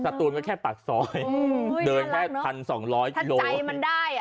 สตูนก็แค่ปากซ้อยเดินแค่๑๒๐๐กิโลกรัมถ้าใจมันได้อ่ะ